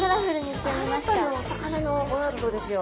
新たなお魚のワールドですよ。